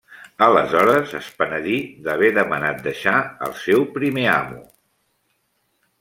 Aleshores es penedí d'haver demanat deixar el seu primer amo.